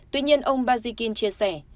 tuy nhiên ông bazikin chia sẻ